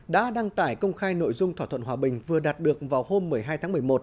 đã đăng tải công khai nội dung thỏa thuận hòa bình vừa đạt được vào hôm một mươi hai tháng một mươi một